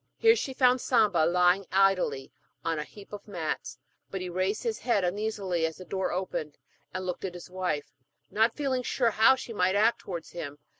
Here she found Samba lying idly on a heap of mats; but he raised his head uneasily as the door opened and looked at his wife, not feeling sure how she might act towards him.